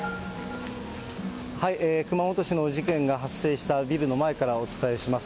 熊本市の事件が発生したビルの前からお伝えします。